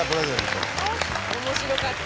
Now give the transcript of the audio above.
面白かった。